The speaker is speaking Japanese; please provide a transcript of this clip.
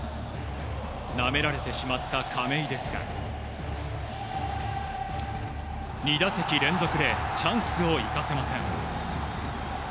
なめられてしまった亀井ですが２打席連続でチャンスを生かせません。